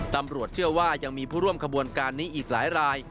ตำรวจเชื่อว่ายังมีผู้ร่วมขบวนการนี้อีกหลายราย